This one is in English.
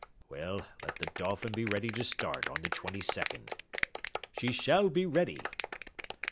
"Well, let the Dolphin be ready to start on the 22nd." "She shall be ready."